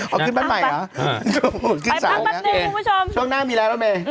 เอาขึ้นปั้นใหม่เหรอโอ้โฮขึ้นสังนะครับเอ๊ะช่วงหน้ามีแล้วแล้วเมย์